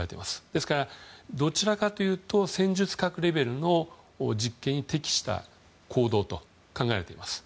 ですから、どちらかというと戦術核レベルの実験に適した坑道と考えられています。